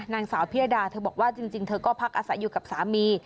นางสาวพิยดาเธอบอกว่าจริงเธอก็พักอาศัยอยู่กับสามี